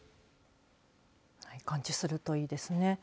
完治するといいですね。